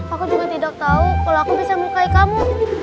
aku juga tidak tahu kalau aku bisa melukai kamu